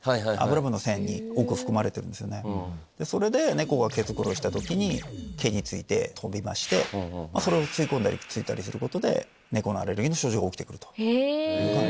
それで猫が毛繕いした時に毛に付いて飛びましてそれを吸い込んだり付いたりすることで猫のアレルギーの症状が起きてくる。